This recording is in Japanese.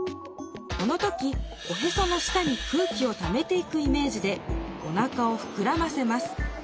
この時おへその下に空気をためていくイメージでおなかをふくらませます。